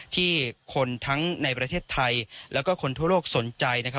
ที่คนทั้งในประเทศไทยแล้วก็คนทั่วโลกสนใจนะครับ